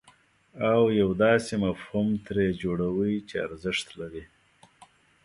او یو داسې مفهوم ترې جوړوئ چې ارزښت لري.